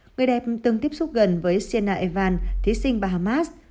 người đẹp từng tiếp xúc gần với sienna evans thí sinh bahamas